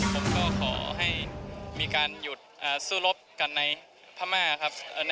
ผมก็ขอให้มีการหยุดสู้รบกันในพม่าครับ